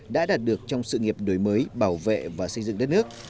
đã đạt được trong sự nghiệp đổi mới bảo vệ và xây dựng đất nước